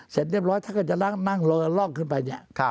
เสร็จเรียบร้อยถ้าเกิดจะนั่งรอร่องขึ้นไปเนี่ย